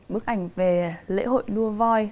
bức ảnh về lễ hội đua voi